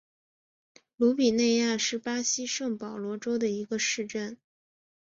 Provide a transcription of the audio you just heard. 鲁比内亚是巴西圣保罗州的一个市镇。